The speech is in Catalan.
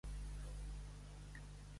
A Xaló, a cada porta un cagalló.